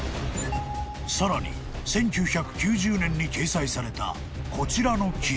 ［さらに１９９０年に掲載されたこちらの記事］